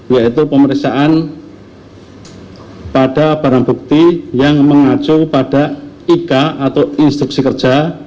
yaitu pemeriksaan pada barang bukti yang mengacu pada ik atau instruksi kerja